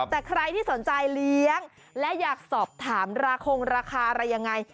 แต่ใครที่สนใจเลี้ยงและอยากสอบถามราคงราคาอะไรยังไง